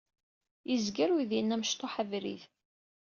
Yezger uydi-nni amecṭuḥ abrid.